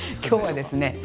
今日はですね